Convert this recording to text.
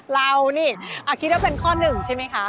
เรานี่คิดว่าเป็นข้อหนึ่งใช่ไหมคะ